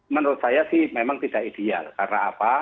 menurut saya sih memang tidak ideal karena apa